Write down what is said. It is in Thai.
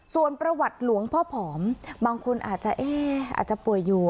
ส่วนประวัติหลวงพ่อผอมบางคนอาจจะเอ๊ะอาจจะป่วยอยู่